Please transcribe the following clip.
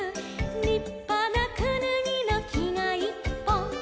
「りっぱなくぬぎのきがいっぽん」